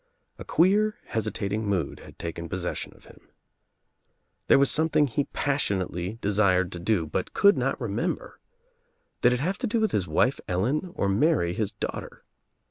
A queer hesitating mood had taken possession of him. I I UNLIGHTED LAMPS 87 There was something he passionately desired to do but could not remember. Did it have to do with his wife Ellen or Mary his daughter?